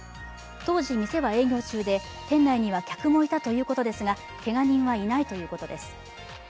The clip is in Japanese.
当時店は営業中で、店内には客もいたということですが、けが人はいないということです。